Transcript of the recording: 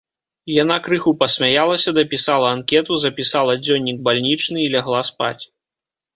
Яна крыху пасмяялася, дапісала анкету, запісала дзённік бальнічны і лягла спаць.